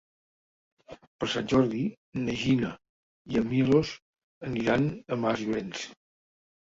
Per Sant Jordi na Gina i en Milos aniran a Masllorenç.